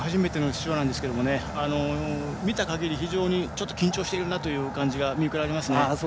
初めてですが見たかぎり非常に緊張しているなという感じが見受けられますね。